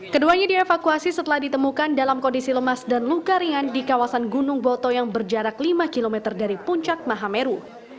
keduanya dievakuasi setelah ditemukan dalam kondisi lemas dan luka ringan di kawasan gunung boto yang berjarak lima km dari puncak mahameru